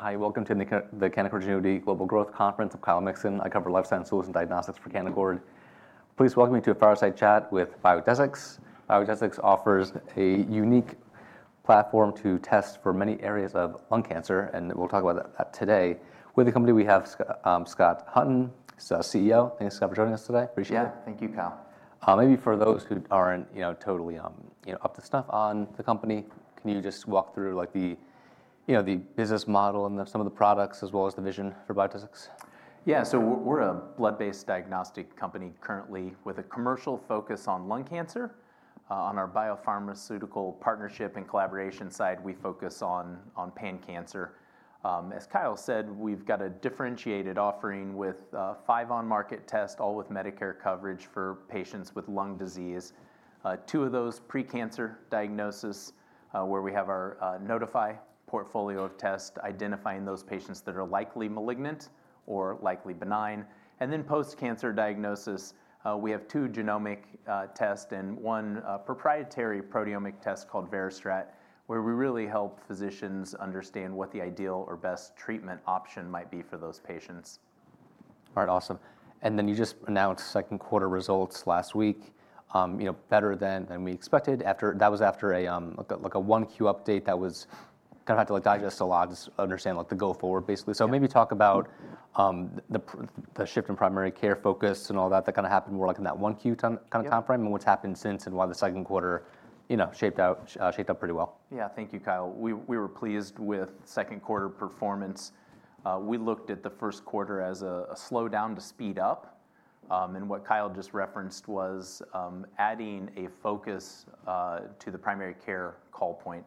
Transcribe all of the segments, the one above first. Hi, welcome to the Canaccord Genuity Global Growth Conference. I'm Kyle Mixon. I cover life science tools and diagnostics for Canaccord. Please welcome me to a fireside chat with Biodesix. Biodesix offers a unique platform to test for many areas of lung cancer, and we'll talk about that today. With the company, we have Scott Hutton, CEO. Thanks Scott for joining us today. Appreciate it. Yeah, thank you, Kyle. Maybe for those who aren't totally up to snuff on the company, can you just walk through the business model and some of the products as well as the vision for Biodesix? Yeah, so we're a blood-based diagnostic company currently with a commercial focus on lung cancer. On our biopharmaceutical partnership and collaboration side, we focus on pan-cancer. As Kyle said, we've got a differentiated offering with five on-market tests, all with Medicare coverage for patients with lung disease. Two of those pre-cancer diagnosis, where we have our Nodify portfolio of tests identifying those patients that are likely malignant or likely benign. Then post-cancer diagnosis, we have two genomic tests and one proprietary proteomic test called VeriStrat, where we really help physicians understand what the ideal or best treatment option might be for those patients. Alright, awesome. You just announced second quarter results last week, better than we expected. That was after a 1Q update that was kind of had to digest a lot to understand the go forward basically. Maybe talk about the shift in primary care focus and all that that kind of happened more in that 1Q timeframe and what's happened since and why the second quarter shaped out, shaped up pretty well. Yeah, thank you, Kyle. We were pleased with second quarter performance. We looked at the first quarter as a slowdown to speed up. What Kyle just referenced was adding a focus to the primary care call point.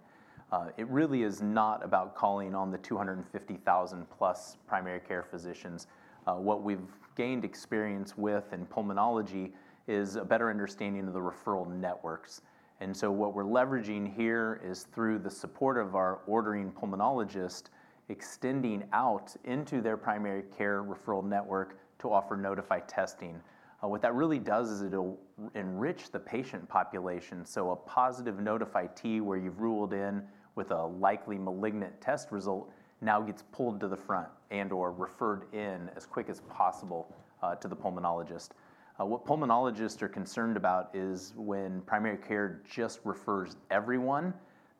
It really is not about calling on the 250,000+ primary care physicians. What we've gained experience with in pulmonology is a better understanding of the referral networks. What we're leveraging here is through the support of our ordering pulmonologists, extending out into their primary care referral network to offer Nodify testing. What that really does is it'll enrich the patient population. A positive Nodify T where you've ruled in with a likely malignant test result now gets pulled to the front and/or referred in as quick as possible to the pulmonologist. What pulmonologists are concerned about is when primary care just refers everyone,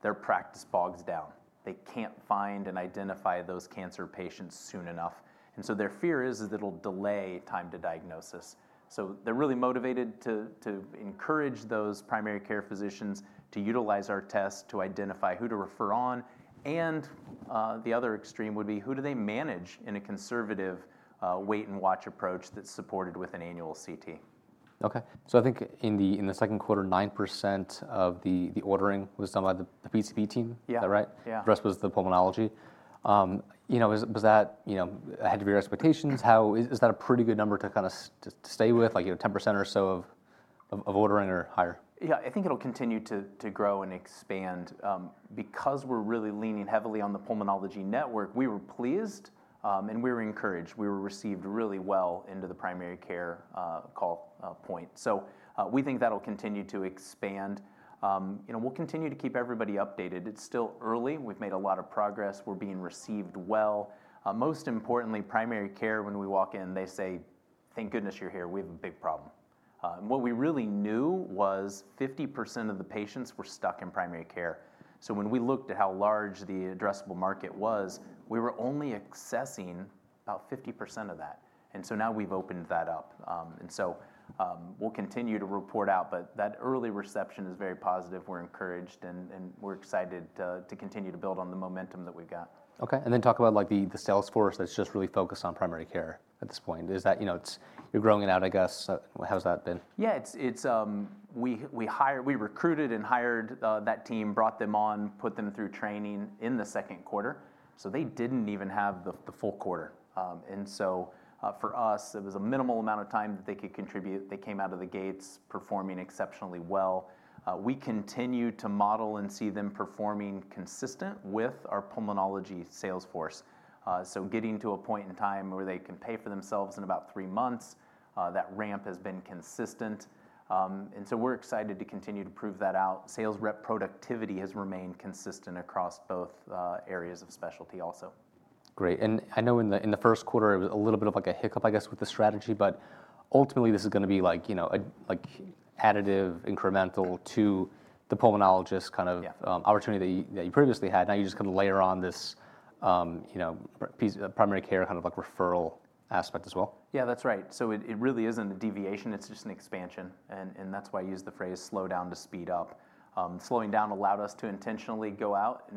their practice bogs down. They can't find and identify those cancer patients soon enough. Their fear is that it'll delay time to diagnosis. They're really motivated to encourage those primary care physicians to utilize our tests to identify who to refer on. The other extreme would be who do they manage in a conservative wait and watch approach that's supported with an annual CT? Okay, I think in the second quarter, 9% of the ordering was done by the PCP team. Yeah. Is that right? Yeah. The rest was the pulmonology. Was that ahead of your expectations? Is that a pretty good number to stay with, like 10% or so of ordering or higher? Yeah, I think it'll continue to grow and expand. Because we're really leaning heavily on the pulmonology network, we were pleased and we were encouraged. We were received really well into the primary care call point. We think that'll continue to expand. We'll continue to keep everybody updated. It's still early. We've made a lot of progress. We're being received well. Most importantly, primary care, when we walk in, they say, "Thank goodness you're here. We have a big problem." What we really knew was 50% of the patients were stuck in primary care. When we looked at how large the addressable market was, we were only accessing about 50% of that. Now we've opened that up. We'll continue to report out, but that early reception is very positive. We're encouraged and we're excited to continue to build on the momentum that we've got. Okay, and then talk about the sales force that's just really focused on primary care at this point. Is that growing it out, I guess? How's that been? Yeah, we hired, we recruited and hired that team, brought them on, put them through training in the second quarter. They didn't even have the full quarter. For us, it was a minimal amount of time that they could contribute. They came out of the gates performing exceptionally well. We continue to model and see them performing consistent with our pulmonology sales force. Getting to a point in time where they can pay for themselves in about three months, that ramp has been consistent. We're excited to continue to prove that out. Sales rep productivity has remained consistent across both areas of specialty also. Great. I know in the first quarter, it was a little bit of a hiccup, I guess, with the strategy, but ultimately this is going to be, you know, additive incremental to the pulmonologist kind of opportunity that you previously had. Now you just kind of layer on this, you know, primary care kind of referral aspect as well. Yeah, that's right. It really isn't a deviation. It's just an expansion. That's why I use the phrase slow down to speed up. Slowing down allowed us to intentionally go out.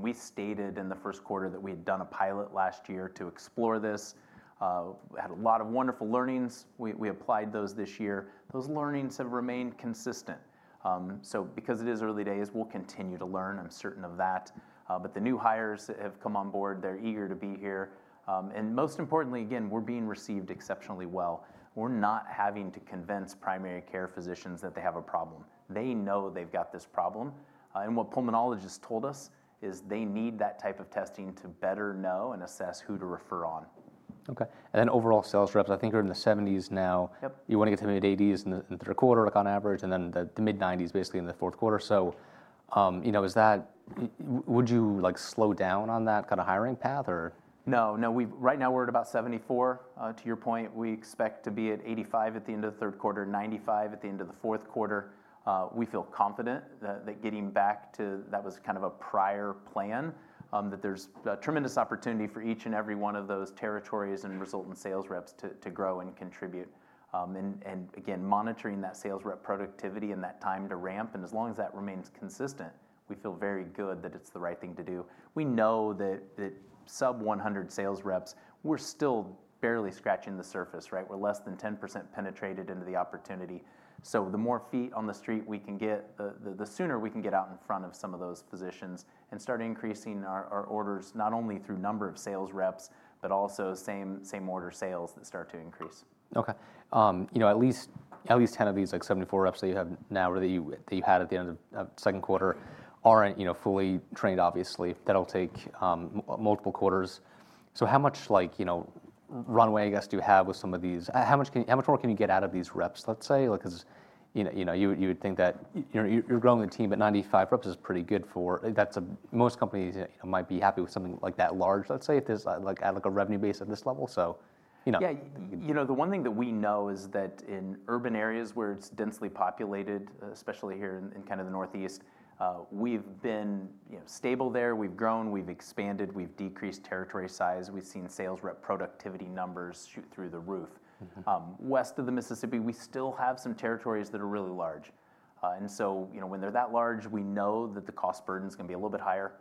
We stated in the first quarter that we had done a pilot last year to explore this. We had a lot of wonderful learnings. We applied those this year. Those learnings have remained consistent. Because it is early days, we'll continue to learn. I'm certain of that. The new hires have come on board. They're eager to be here. Most importantly, we're being received exceptionally well. We're not having to convince primary care physicians that they have a problem. They know they've got this problem. What pulmonologists told us is they need that type of testing to better know and assess who to refer on. Okay. Overall sales reps, I think you're in the 70s now. You want to get to mid 80s in the third quarter, like on average, and then the mid 90s basically in the fourth quarter. Would you like to slow down on that kind of hiring path? No, we've right now we're at about 74. To your point, we expect to be at 85 at the end of the third quarter, 95 at the end of the fourth quarter. We feel confident that getting back to that was kind of a prior plan, that there's a tremendous opportunity for each and every one of those territories and resultant sales reps to grow and contribute. Again, monitoring that sales rep productivity and that time to ramp. As long as that remains consistent, we feel very good that it's the right thing to do. We know that sub 100 sales reps, we're still barely scratching the surface, right? We're less than 10% penetrated into the opportunity. The more feet on the street we can get, the sooner we can get out in front of some of those physicians and start increasing our orders not only through number of sales reps, but also same order sales that start to increase. Okay. At least 10 of these 74 reps that you have now or that you had at the end of the second quarter aren't fully trained, obviously. That'll take multiple quarters. How much runway do you have with some of these? How much more can you get out of these reps, let's say? You would think that growing a team at 95 reps is pretty good. Most companies might be happy with something that large, let's say, if there's a revenue base at this level. Yeah, you know, the one thing that we know is that in urban areas where it's densely populated, especially here in kind of the Northeast, we've been stable there. We've grown, we've expanded, we've decreased territory size. We've seen sales rep productivity numbers shoot through the roof. West of the Mississippi, we still have some territories that are really large. When they're that large, we know that the cost burden is going to be a little bit higher,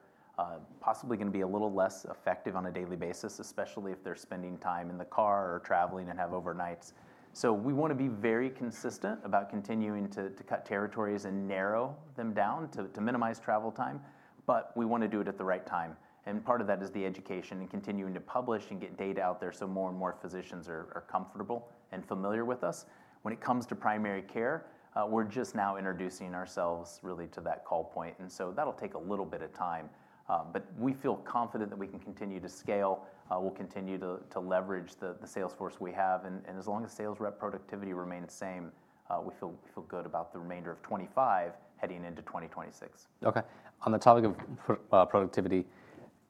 possibly going to be a little less effective on a daily basis, especially if they're spending time in the car or traveling and have overnights. We want to be very consistent about continuing to cut territories and narrow them down to minimize travel time, but we want to do it at the right time. Part of that is the education and continuing to publish and get data out there so more and more physicians are comfortable and familiar with us. When it comes to primary care, we're just now introducing ourselves really to that call point. That'll take a little bit of time. We feel confident that we can continue to scale. We'll continue to leverage the sales force we have. As long as sales rep productivity remains the same, we feel good about the remainder of 2025 heading into 2026. Okay. On the topic of productivity,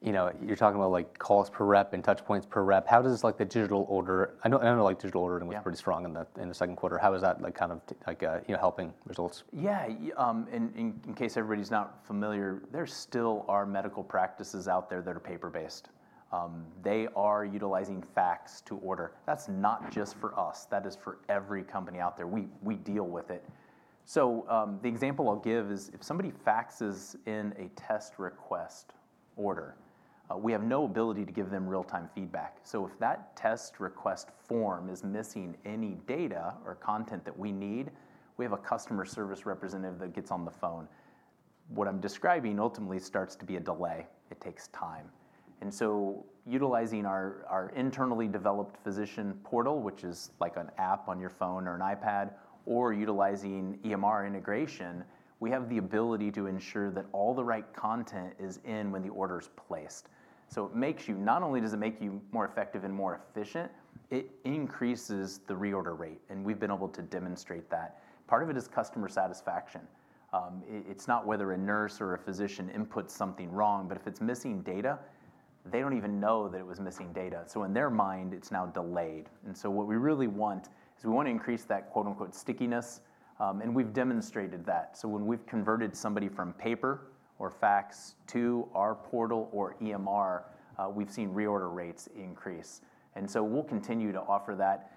you're talking about calls per rep and touch points per rep. How does this, like the digital order—I know digital ordering was pretty strong in the second quarter. How is that kind of helping results? Yeah, in case everybody's not familiar, there still are medical practices out there that are paper-based. They are utilizing fax to order. That's not just for us. That is for every company out there. We deal with it. The example I'll give is if somebody faxes in a test request order, we have no ability to give them real-time feedback. If that test request form is missing any data or content that we need, we have a customer service representative that gets on the phone. What I'm describing ultimately starts to be a delay. It takes time. Utilizing our internally developed physician portal, which is like an app on your phone or an iPad, or utilizing EMR integration, we have the ability to ensure that all the right content is in when the order is placed. Not only does it make you more effective and more efficient, it increases the reorder rate. We've been able to demonstrate that. Part of it is customer satisfaction. It's not whether a nurse or a physician inputs something wrong, but if it's missing data, they don't even know that it was missing data. In their mind, it's now delayed. What we really want is we want to increase that quote unquote stickiness. We've demonstrated that. When we've converted somebody from paper or fax to our portal or EMR, we've seen reorder rates increase. We'll continue to offer that.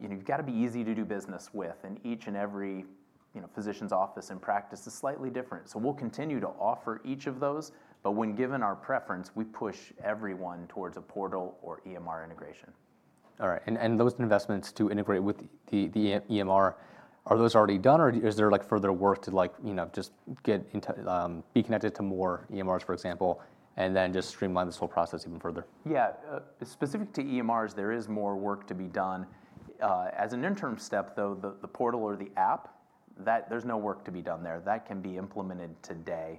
You've got to be easy to do business with, and each and every physician's office and practice is slightly different. We'll continue to offer each of those, but when given our preference, we push everyone towards a portal or EMR integration. All right. Those investments to integrate with the EMR, are those already done or is there further work to just get connected to more EMRs, for example, and then streamline this whole process even further? Yeah, specific to EMRs, there is more work to be done. As an interim step, though, the portal or the app, there's no work to be done there. That can be implemented today.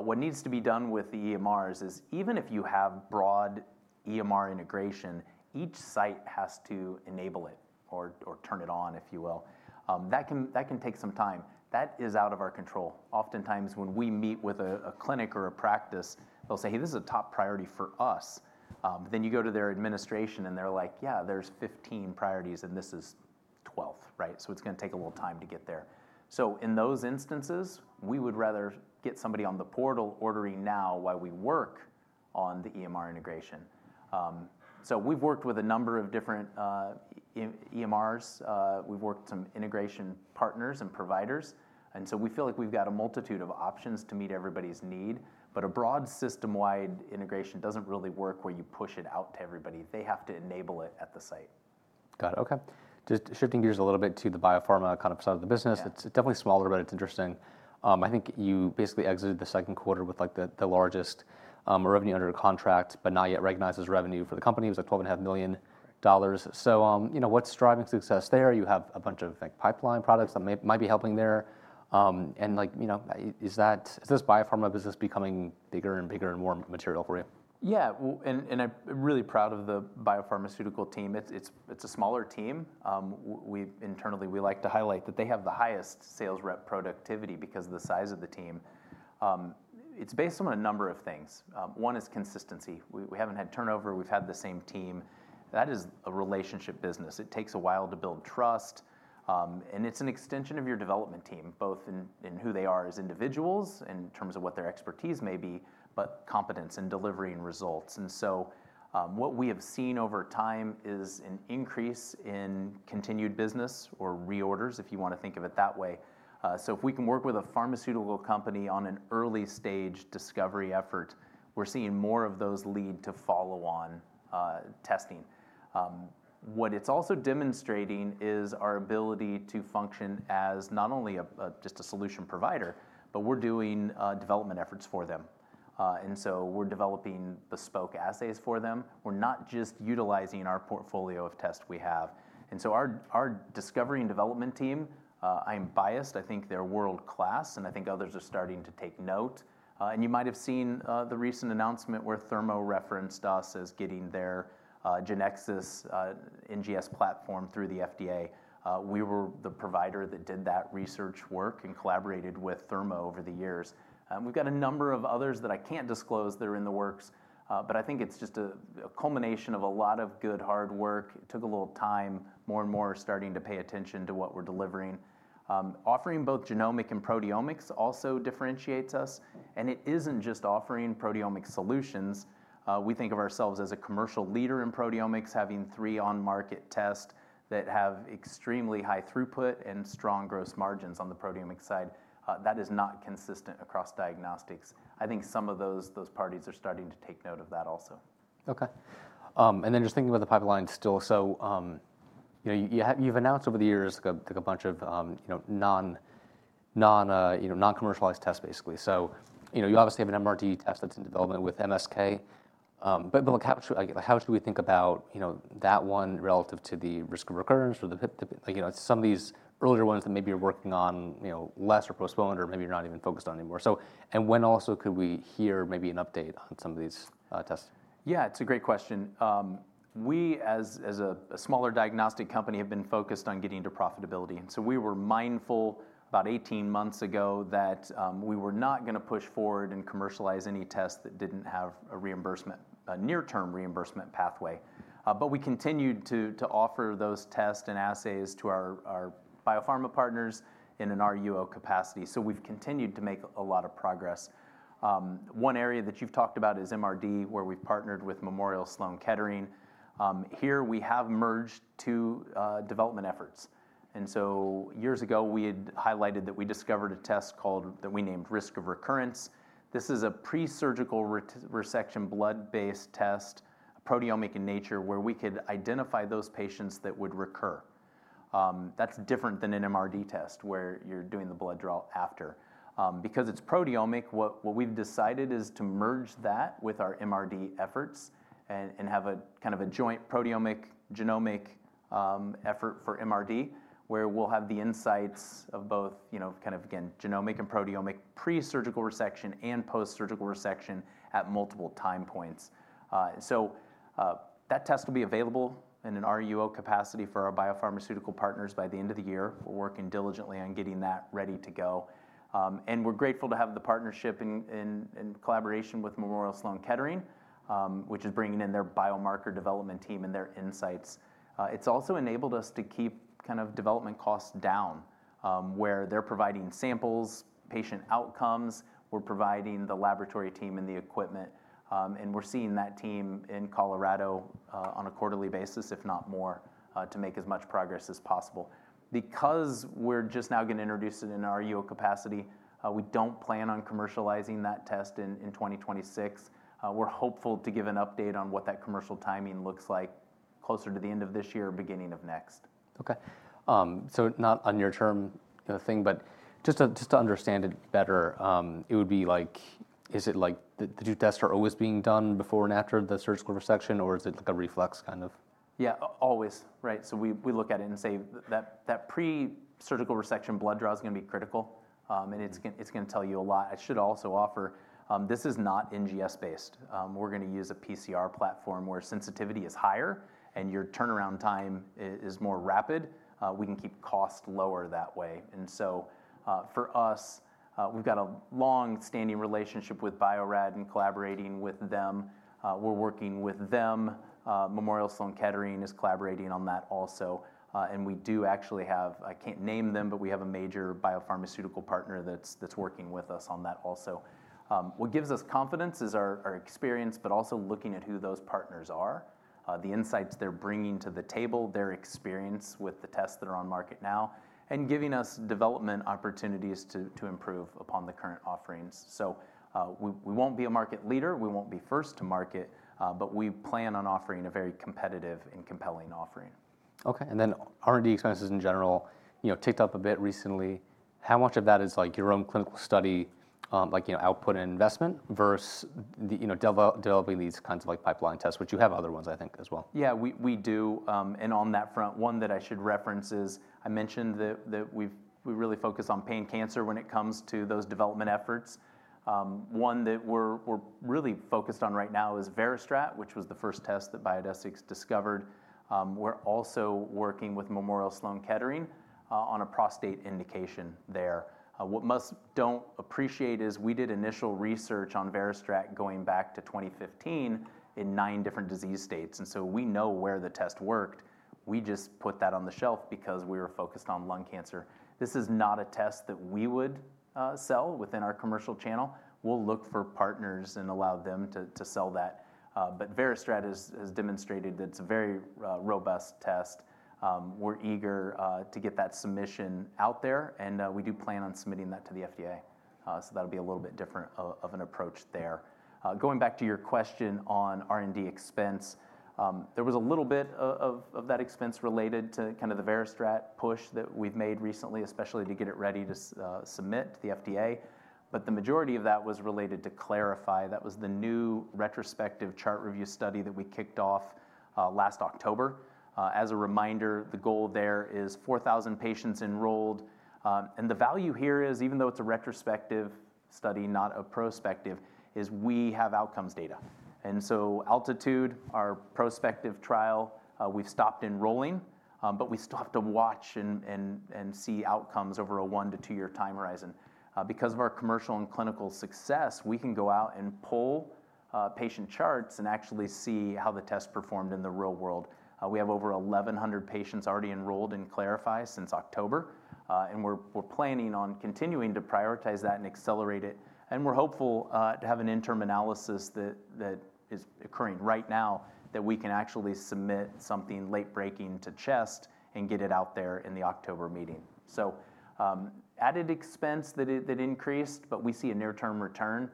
What needs to be done with the EMRs is even if you have broad EMR integration, each site has to enable it or turn it on, if you will. That can take some time. That is out of our control. Oftentimes when we meet with a clinic or a practice, they'll say, "Hey, this is a top priority for us." You go to their administration and they're like, "Yeah, there's 15 priorities and this is 12th," right? It's going to take a little time to get there. In those instances, we would rather get somebody on the portal ordering now while we work on the EMR integration. We've worked with a number of different EMRs. We've worked with some integration partners and providers, and we feel like we've got a multitude of options to meet everybody's need. A broad system-wide integration doesn't really work where you push it out to everybody. They have to enable it at the site. Got it. Okay. Just shifting gears a little bit to the biopharma kind of side of the business. It's definitely smaller, but it's interesting. I think you basically exited the second quarter with the largest revenue under contract, but not yet recognized as revenue for the company. It was $12.5 million. What's driving success there? You have a bunch of pipeline products that might be helping there. Is this biopharma business becoming bigger and bigger and more material for you? Yeah, and I'm really proud of the biopharmaceutical team. It's a smaller team. Internally, we like to highlight that they have the highest sales rep productivity because of the size of the team. It's based on a number of things. One is consistency. We haven't had turnover. We've had the same team. That is a relationship business. It takes a while to build trust. It's an extension of your development team, both in who they are as individuals in terms of what their expertise may be, but competence in delivering results. What we have seen over time is an increase in continued business or reorders, if you want to think of it that way. If we can work with a pharmaceutical company on an early stage discovery effort, we're seeing more of those lead to follow-on testing. What it's also demonstrating is our ability to function as not only just a solution provider, but we're doing development efforts for them. We're developing bespoke assays for them. We're not just utilizing our portfolio of tests we have. Our discovery and development team, I'm biased. I think they're world-class, and I think others are starting to take note. You might have seen the recent announcement where Thermo referenced us as getting their Genexus NGS platform through the FDA. We were the provider that did that research work and collaborated with Thermo over the years. We've got a number of others that I can't disclose that are in the works, but I think it's just a culmination of a lot of good hard work. It took a little time, more and more starting to pay attention to what we're delivering. Offering both genomic and proteomics also differentiates us. It isn't just offering proteomic solutions. We think of ourselves as a commercial leader in proteomics, having three on-market tests that have extremely high throughput and strong gross margins on the proteomic side. That is not consistent across diagnostics. I think some of those parties are starting to take note of that also. Okay. Just thinking about the pipeline still, you've announced over the years like a bunch of non-commercialized tests, basically. You obviously have an MRD test that's in development with MSK. How should we think about that one relative to the risk of recurrence or some of these earlier ones that maybe you're working on less or postponed or maybe you're not even focused on anymore? When also could we hear maybe an update on some of these tests? Yeah, it's a great question. We as a smaller diagnostic company have been focused on getting to profitability. We were mindful about 18 months ago that we were not going to push forward and commercialize any tests that didn't have a reimbursement, a near-term reimbursement pathway. We continued to offer those tests and assays to our biopharma partners in an RUO capacity. We've continued to make a lot of progress. One area that you've talked about is MRD, where we've partnered with Memorial Sloan Kettering. Here we have merged two development efforts. Years ago we had highlighted that we discovered a test that we named Risk of Recurrence. This is a pre-surgical resection blood-based test, proteomic in nature, where we could identify those patients that would recur. That's different than an MRD test where you're doing the blood draw after. Because it's proteomic, what we've decided is to merge that with our MRD efforts and have a kind of a joint proteomic-genomic effort for MRD, where we'll have the insights of both genomic and proteomic pre-surgical resection and post-surgical resection at multiple time points. That test will be available in an RUO capacity for our biopharmaceutical partners by the end of the year. We're working diligently on getting that ready to go. We're grateful to have the partnership in collaboration with Memorial Sloan Kettering, which is bringing in their biomarker development team and their insights. It's also enabled us to keep development costs down, where they're providing samples, patient outcomes. We're providing the laboratory team and the equipment. We're seeing that team in Colorado on a quarterly basis, if not more, to make as much progress as possible. Because we're just now going to introduce it in an RUO capacity, we don't plan on commercializing that test in 2026. We're hopeful to give an update on what that commercial timing looks like closer to the end of this year, beginning of next. Okay. Not on your term thing, but just to understand it better, it would be like, is it like the two tests are always being done before and after the surgical resection, or is it like a reflex kind of? Yeah, always, right? We look at it and say that pre-surgical resection blood draw is going to be critical, and it's going to tell you a lot. I should also offer, this is not NGS-based. We're going to use a PCR platform where sensitivity is higher and your turnaround time is more rapid. We can keep costs lower that way. For us, we've got a longstanding relationship with Bio-Rad and collaborating with them. We're working with them. Memorial Sloan Kettering is collaborating on that also. We do actually have, I can't name them, but we have a major biopharmaceutical partner that's working with us on that also. What gives us confidence is our experience, but also looking at who those partners are, the insights they're bringing to the table, their experience with the tests that are on market now, and giving us development opportunities to improve upon the current offerings. We won't be a market leader. We won't be first to market, but we plan on offering a very competitive and compelling offering. Okay. R&D expenses in general, you know, ticked up a bit recently. How much of that is like your own clinical study, like, you know, output and investment versus, you know, developing these kinds of like pipeline tests, which you have other ones, I think, as well? Yeah, we do. On that front, one that I should reference is I mentioned that we really focus on pan-cancer when it comes to those development efforts. One that we're really focused on right now is VeriStrat, which was the first test that Biodesix discovered. We're also working with Memorial Sloan Kettering on a prostate indication there. What most don't appreciate is we did initial research on VeriStrat going back to 2015 in nine different disease states. We know where the test worked. We just put that on the shelf because we were focused on lung cancer. This is not a test that we would sell within our commercial channel. We'll look for partners and allow them to sell that. VeriStrat has demonstrated that it's a very robust test. We're eager to get that submission out there. We do plan on submitting that to the FDA. That'll be a little bit different of an approach there. Going back to your question on R&D expense, there was a little bit of that expense related to the VeriStrat push that we've made recently, especially to get it ready to submit to the FDA. The majority of that was related to CLARIFY. That was the new retrospective chart review study that we kicked off last October. As a reminder, the goal there is 4,000 patients enrolled. The value here is, even though it's a retrospective study, not a prospective, we have outcomes data. ALTITUDE, our prospective trial, we've stopped enrolling, but we still have to watch and see outcomes over a one to two-year time horizon. Because of our commercial and clinical success, we can go out and pull patient charts and actually see how the test performed in the real world. We have over 1,100 patients already enrolled in CLARIFY since October. We're planning on continuing to prioritize that and accelerate it. We're hopeful to have an interim analysis that is occurring right now that we can actually submit something late-breaking to CHEST and get it out there in the October meeting. Added expense increased, but we see a near-term return.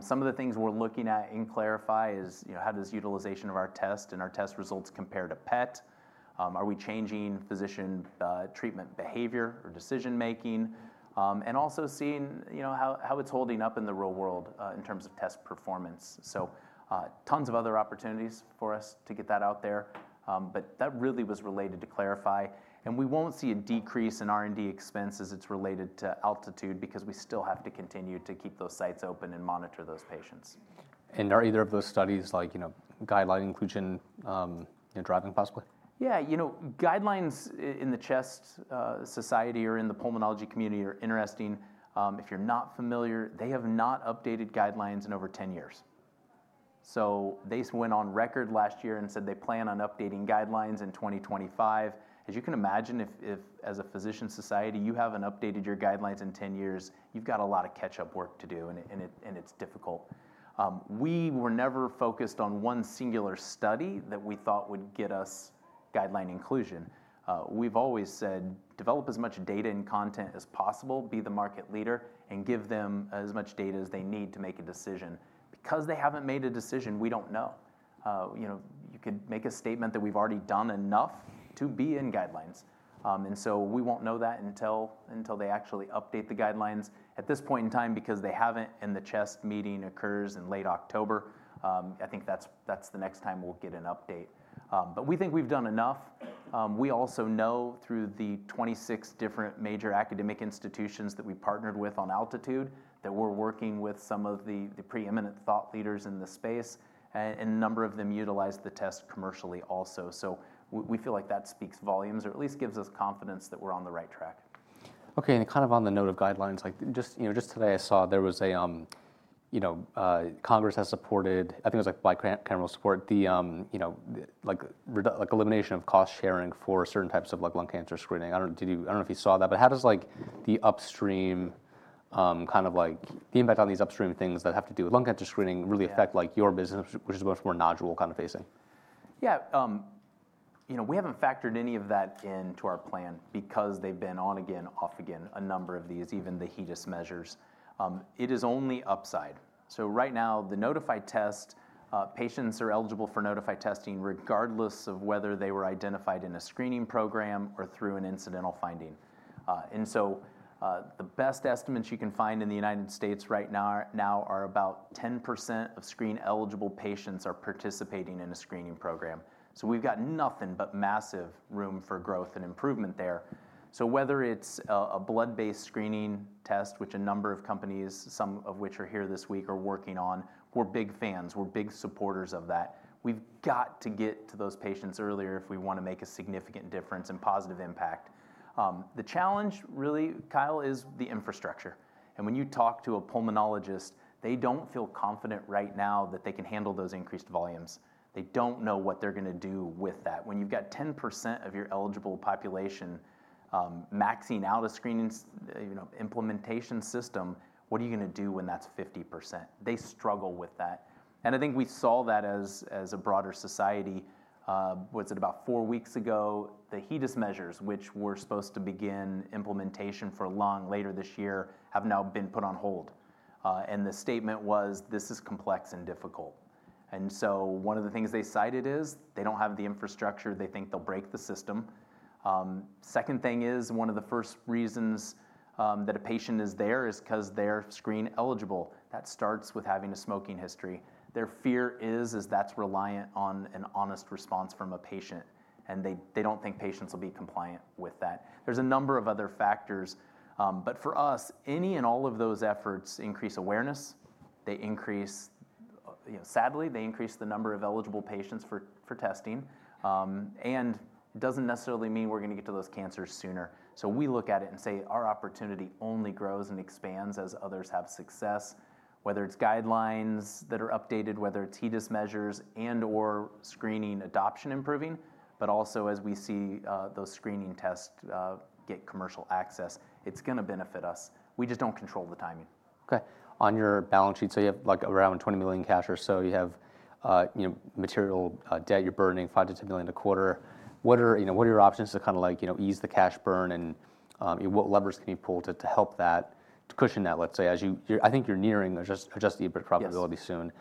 Some of the things we're looking at in CLARIFY are how does utilization of our test and our test results compare to PET? Are we changing physician treatment behavior or decision-making? Also seeing how it's holding up in the real world in terms of test performance. Tons of other opportunities for us to get that out there. That really was related to CLARIFY. We won't see a decrease in R&D expenses that's related to ALTITUDE because we still have to continue to keep those sites open and monitor those patients. Are either of those studies, you know, guideline inclusion driving possibly? Yeah, you know, guidelines in the CHEST society or in the pulmonology community are interesting. If you're not familiar, they have not updated guidelines in over 10 years. They went on record last year and said they plan on updating guidelines in 2025. As you can imagine, if as a physician society, you haven't updated your guidelines in 10 years, you've got a lot of catch-up work to do, and it's difficult. We were never focused on one singular study that we thought would get us guideline inclusion. We've always said, develop as much data and content as possible, be the market leader, and give them as much data as they need to make a decision. Because they haven't made a decision, we don't know. You could make a statement that we've already done enough to be in guidelines. We won't know that until they actually update the guidelines. At this point in time, because they haven't, and the CHEST meeting occurs in late October, I think that's the next time we'll get an update. We think we've done enough. We also know through the 26 different major academic institutions that we partnered with on ALTITUDE that we're working with some of the preeminent thought leaders in the space, and a number of them utilize the test commercially also. We feel like that speaks volumes, or at least gives us confidence that we're on the right track. Okay, and kind of on the note of guidelines, just today I saw there was, I think it was bicameral support, the elimination of cost sharing for certain types of lung cancer screening. I don't know if you saw that, but how does the upstream, kind of the impact on these upstream things that have to do with lung cancer screening really affect your business, which is much more nodule kind of facing? Yeah, you know, we haven't factored any of that into our plan because they've been on again, off again, a number of these, even the HEDIS measures. It is only upside. Right now, the Nodify test, patients are eligible for Nodify testing regardless of whether they were identified in a screening program or through an incidental finding. The best estimates you can find in the United States right now are about 10% of screen-eligible patients are participating in a screening program. We've got nothing but massive room for growth and improvement there. Whether it's a blood-based screening test, which a number of companies, some of which are here this week, are working on, we're big fans. We're big supporters of that. We've got to get to those patients earlier if we want to make a significant difference and positive impact. The challenge really, Kyle, is the infrastructure. When you talk to a pulmonologist, they don't feel confident right now that they can handle those increased volumes. They don't know what they're going to do with that. When you've got 10% of your eligible population maxing out a screening implementation system, what are you going to do when that's 50%? They struggle with that. I think we saw that as a broader society. Was it about four weeks ago? The HEDIS measures, which were supposed to begin implementation for lung later this year, have now been put on hold. The statement was, this is complex and difficult. One of the things they cited is they don't have the infrastructure. They think they'll break the system. The second thing is one of the first reasons that a patient is there is because they're screen-eligible. That starts with having a smoking history. Their fear is that's reliant on an honest response from a patient. They don't think patients will be compliant with that. There's a number of other factors. For us, any and all of those efforts increase awareness. They increase, you know, sadly, they increase the number of eligible patients for testing. It doesn't necessarily mean we're going to get to those cancers sooner. We look at it and say our opportunity only grows and expands as others have success. Whether it's guidelines that are updated, whether it's HEDIS measures and/or screening adoption improving, also as we see those screening tests get commercial access, it's going to benefit us. We just don't control the timing. Okay. On your balance sheet, you have around $20 million cash or so. You have material debt, you're burning $5 million-$10 million a quarter. What are your options to kind of ease the cash burn, and what levers can be pulled to help that, to cushion that, let's say, as you, I think you're nearing adjusted EBITDA profitability soon.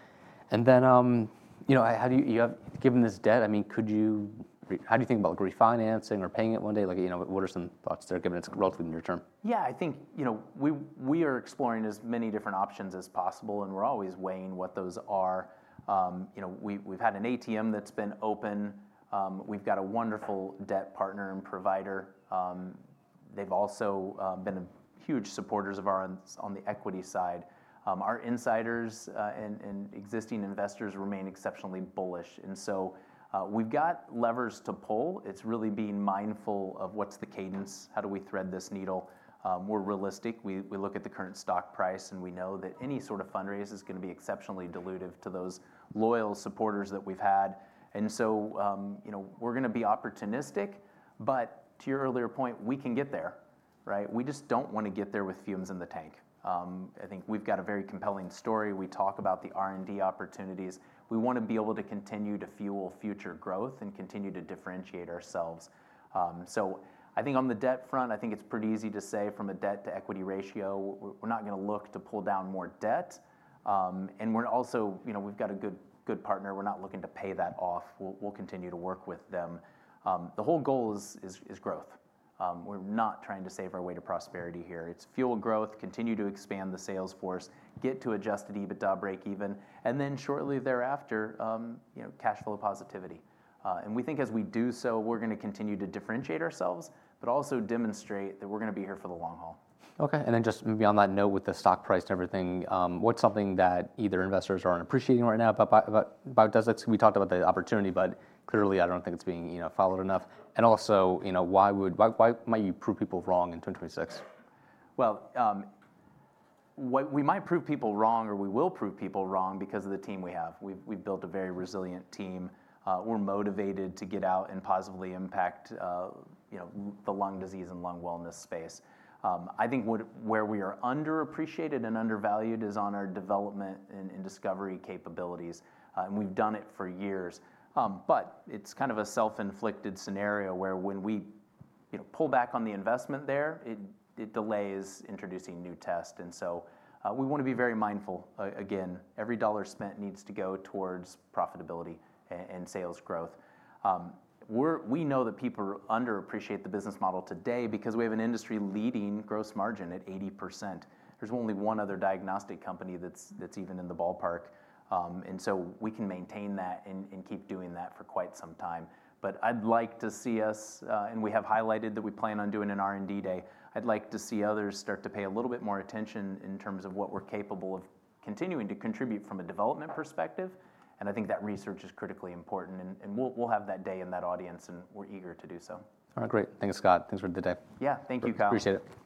How do you, given this debt, I mean, how do you think about refinancing or paying it one day? What are some thoughts, given it's relatively near term? Yeah, I think we are exploring as many different options as possible and we're always weighing what those are. We've had an ATM that's been open. We've got a wonderful debt partner and provider. They've also been huge supporters of ours on the equity side. Our insiders and existing investors remain exceptionally bullish, and we've got levers to pull. It's really being mindful of what's the cadence. How do we thread this needle? We're realistic. We look at the current stock price and we know that any sort of fundraise is going to be exceptionally dilutive to those loyal supporters that we've had. We're going to be opportunistic, but to your earlier point, we can get there, right? We just don't want to get there with fumes in the tank. I think we've got a very compelling story. We talk about the R&D opportunities. We want to be able to continue to fuel future growth and continue to differentiate ourselves. I think on the debt front, it's pretty easy to say from a debt to equity ratio, we're not going to look to pull down more debt. We've got a good partner. We're not looking to pay that off. We'll continue to work with them. The whole goal is growth. We're not trying to save our way to prosperity here. It's fuel growth, continue to expand the sales force, get to adjusted EBITDA break even, and then shortly thereafter, cash flow positivity. We think as we do so, we're going to continue to differentiate ourselves, but also demonstrate that we're going to be here for the long haul. Okay. Beyond that note with the stock price and everything, what's something that either investors aren't appreciating right now about Biodesix? We talked about the opportunity, but clearly I don't think it's being followed enough. Also, why might you prove people wrong in 2026? We might prove people wrong or we will prove people wrong because of the team we have. We've built a very resilient team. We're motivated to get out and positively impact, you know, the lung disease and lung wellness space. I think where we are underappreciated and undervalued is on our development and discovery capabilities. We've done it for years. It's kind of a self-inflicted scenario where when we, you know, pull back on the investment there, it delays introducing new tests. We want to be very mindful. Again, every dollar spent needs to go towards profitability and sales growth. We know that people underappreciate the business model today because we have an industry-leading gross margin at 80%. There's only one other diagnostic company that's even in the ballpark. We can maintain that and keep doing that for quite some time. I'd like to see us, and we have highlighted that we plan on doing an R&D day. I'd like to see others start to pay a little bit more attention in terms of what we're capable of continuing to contribute from a development perspective. I think that research is critically important. We'll have that day in that audience, and we're eager to do so. All right, great. Thanks, Scott. Thanks for the day. Yeah, thank you, Kyle. Appreciate it.